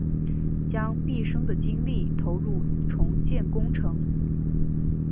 将毕生的精力投入重建工程